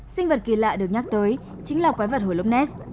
sinh vật kỳ lạ được nhắc tới chính là quái vật hồ lúc nét